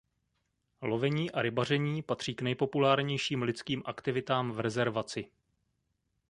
Lovení a rybaření patří k nejpopulárnějším lidským aktivitám v rezervaci.